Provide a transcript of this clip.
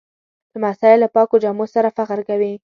لمسی له پاکو جامو سره فخر کوي.